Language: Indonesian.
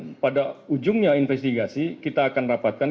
dan pada ujungnya investigasi kita akan rapatkan